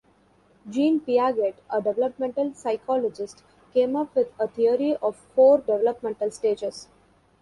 Jean Piaget, a developmental psychologist, came up with a theory of four developmental stages.